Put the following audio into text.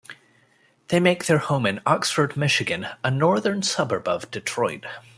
They make their home in Oxford, Michigan, a northern suburb of Detroit.